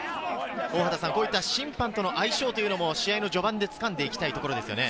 こういった審判との相性というのも試合の序盤でつかんでいきたいところですね。